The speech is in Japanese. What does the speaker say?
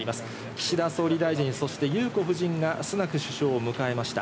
岸田総理大臣、そして裕子夫人がスナク首相を迎えました。